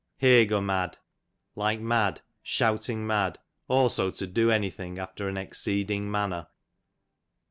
Hey go mad, like mad, shouting mad; also to do any thing after an exceeding manner.